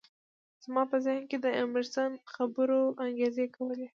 زما په ذهن کې د ایمرسن خبرو انګازې کولې